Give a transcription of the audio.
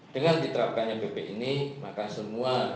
dengan diterapkannya bp dan juga dengan perubahan yang terdapat di dalam peraturan